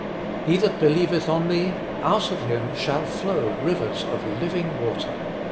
"He that believeth on Me, out of him shall flow rivers of living water."